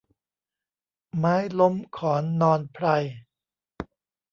ไม้ล้มขอนนอนไพร